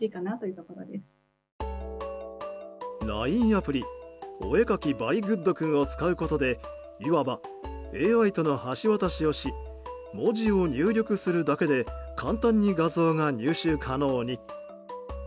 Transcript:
ＬＩＮＥアプリお絵描きばりぐっどくんを使うことでいわば、ＡＩとの橋渡しをし文字を入力するだけで簡単に画像が入手可能に。